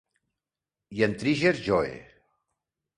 I en Trigger Joe!